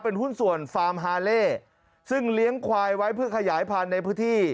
เป็นหุ้นส่วนฟาร์มฮาเล่ซึ่งเลี้ยงควายไว้เพื่อขยายพันธุ์ในพื้นที่